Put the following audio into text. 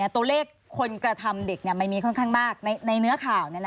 ตัวเลขคนกระทำเด็กมันมีค่อนข้างมากในเนื้อข่าว